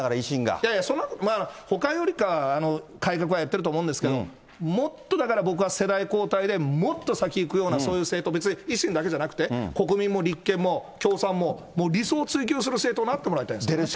いやいや、ほかよりかは改革はやってると思うんですけど、もっとだから僕は世代交代で、もっと先行くような、そういう政党、別に維新だけじゃなくて、国民も立憲も共産も、もう理想を追求する政党になってもらいたいですよね。